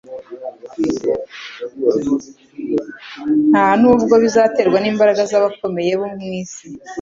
nta nubwo bizaterwa n'imbaraga z'abakomeye bo mu isi;